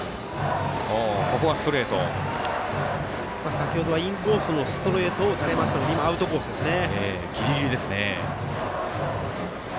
先ほどはインコースのストレートを打たれましたので今、アウトコースですね。